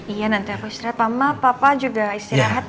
iya nanti apa istirahat mama papa juga istirahat ya